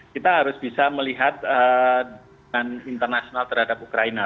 kita harus bisa melihat internasional terhadap ukraina